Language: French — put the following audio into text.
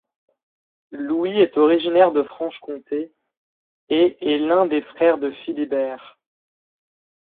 Louis est originaire de Franche-Comté et est l'un des frères de Philibert.